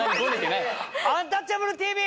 「アンタッチャブるＴＶ」